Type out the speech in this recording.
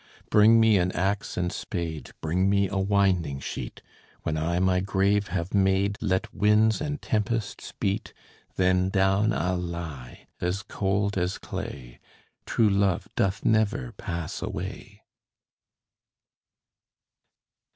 Bring me an axe and spade, Bring me a winding sheet; When I my grave have made, Let winds and tempests beat: Then down I'll lie, as cold as clay: True love doth never pass away.